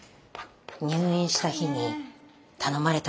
入院した日に頼まれたの。